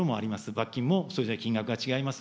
罰金もそれだけ金額が違います。